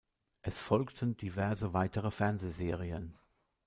Es folgten diverse weitere Fernsehserien.